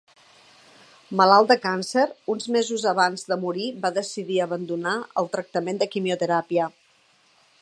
Malalt de càncer, uns mesos abans de morir va decidir abandonar el tractament de quimioteràpia.